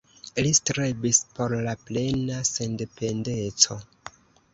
Li strebis por la plena sendependeco.